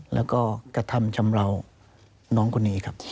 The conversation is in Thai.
แล้วก็กระทำชำราวน้องคนนี้ครับ